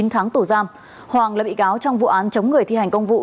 chín tháng tù giam hoàng là bị cáo trong vụ án chống người thi hành công vụ